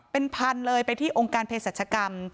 เป็นพันเลยไปที่องค์การเพศรัชกรรม